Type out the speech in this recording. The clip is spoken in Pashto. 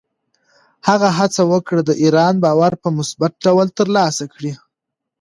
هغه هڅه وکړه، د ایران باور په مثبت ډول ترلاسه کړي.